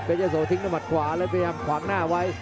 ยะโสทิ้งด้วยหมัดขวาแล้วพยายามขวางหน้าไว้